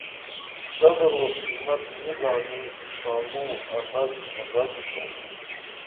قدر وقیمت نی زانی تانو ابس ابس تُھومہ